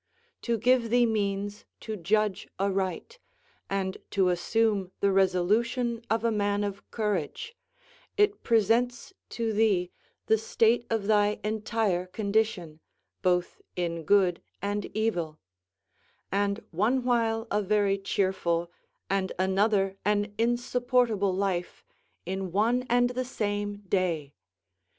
To give thee means to judge aright, and to assume the resolution of a man of courage, it presents to thee the state of thy entire condition, both in good and evil; and one while a very cheerful and another an insupportable life, in one and the same day.